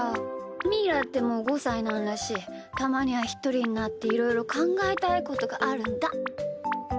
みーだってもう５さいなんだしたまにはひとりになっていろいろかんがえたいことがあるんだ。